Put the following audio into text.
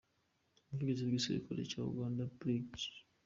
Umuvugizi w’ igisirikare cya Uganda Brig.